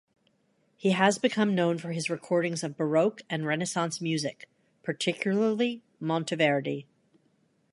He has become known for his recordings of Baroque and Renaissance music, particularly Monteverdi.